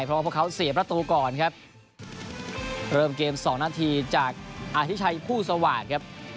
เพราะว่าพวกเขาเสียประตูก่อนครับเริ่มเกมสองนาทีจากอธิชัยผู้สวาสตร์ครับ